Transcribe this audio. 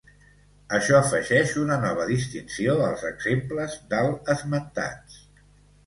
Això afegeix una nova distinció als exemples dalt esmentats.